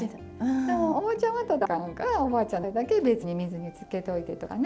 でもおばあちゃんはとったらあかんからおばあちゃんの野菜だけ別に水につけといてとかね。